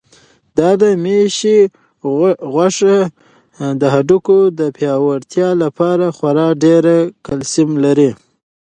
دا د مېښې غوښه د هډوکو د پیاوړتیا لپاره خورا ډېر کلسیم لري.